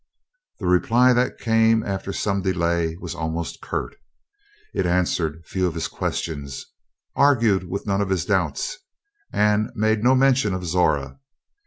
The reply that came after some delay was almost curt. It answered few of his questions, argued with none of his doubts, and made no mention of Zora.